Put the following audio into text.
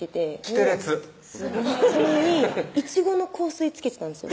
きてれつそれにイチゴの香水付けてたんですよ